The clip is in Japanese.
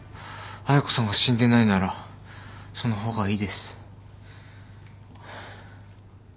彩子さんが死んでないならその方がいいです。